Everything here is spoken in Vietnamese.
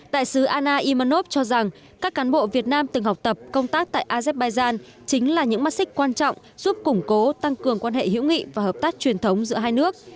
đại sứ ana imanov cho rằng các cán bộ việt nam từng học tập công tác tại azerbaijan chính là những mắt xích quan trọng giúp củng cố tăng cường quan hệ hữu nghị và hợp tác truyền thống giữa hai nước